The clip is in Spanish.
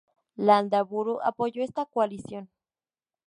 Landaburu apoyó esta coalición.